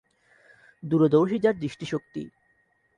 দূরদর্শী যাঁর দৃষ্টিশক্তি।